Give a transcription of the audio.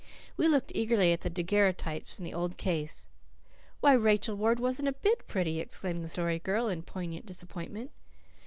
We looked eagerly at the daguerreotypes in the old case. "Why, Rachel Ward wasn't a bit pretty!" exclaimed the Story Girl in poignant disappointment.